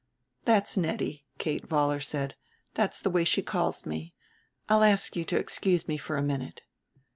"That's Nettie," Kate Vollar said; "the way she calls me. I'll ask you to excuse me for a minute."